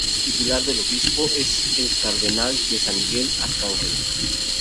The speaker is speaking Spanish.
La sede titular del obispo es la Catedral de San Miguel, Arcangel.